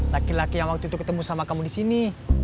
laki laki yang waktu itu ketemu sama kamu di sini